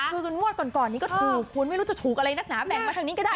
คืองวดก่อนนี้ก็ถูกคุณไม่รู้จะถูกอะไรนักหนาแบ่งมาทางนี้ก็ได้